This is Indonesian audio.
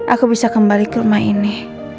aku bisa kembali ke rumah ini